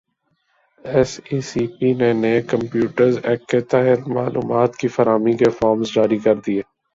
S E C P نے نئے companies act کے تحت معلومات کی فراہمی کے فارمز جاری کردیئے